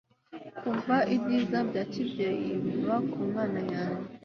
kuva ibyiza bya kibyeyi biva ku mana yanjye